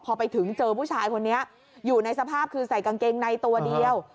พอไปถึงเจอผู้ชายคนนี้อยู่ในสภาพคือใส่กางเกงในตัวเดียว